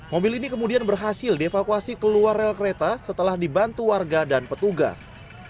mobil ini kemudian berhasil dievakuasi keluar rel kereta setelah dibantu warga dan petugas